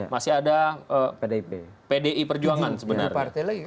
masih ada pdi perjuangan sebenarnya